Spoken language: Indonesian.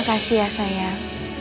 makasih ya sayang